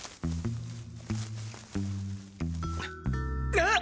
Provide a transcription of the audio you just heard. あっ！